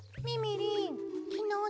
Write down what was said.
みみりん。